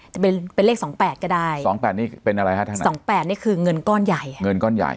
จะเป็นเป็นเลขสองแปดก็ได้สองแปดนี่เป็นอะไรฮะทั้งนั้นสองแปดนี่คือเงินก้อนใหญ่